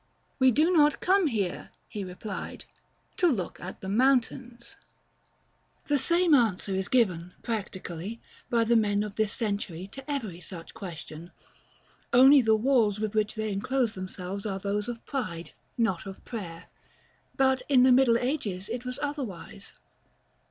"We do not come here," he replied, "to look at the mountains." § XXXI. The same answer is given, practically, by the men of this century, to every such question; only the walls with which they enclose themselves are those of pride, not of prayer. But in the middle ages it was otherwise.